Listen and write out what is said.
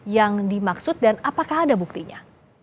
yang dimaksud dan apakah ada buktinya